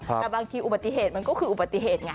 แต่บางทีอุบัติเหตุมันก็คืออุบัติเหตุไง